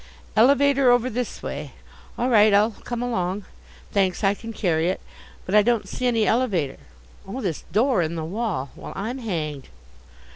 Elevator over this way? All right, I'll come along. Thanks, I can carry it. But I don't see any elevator? Oh, this door in the wall? Well! I'm hanged.